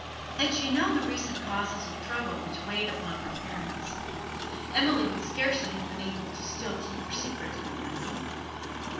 Had she known the recent causes of trouble which weighed upon her parents, Emily would scarcely have been able to still keep her secret from them.